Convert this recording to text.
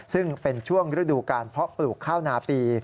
ซึ่งเป็นช่วงฤดูการเพาะปลูกข้าวนาปี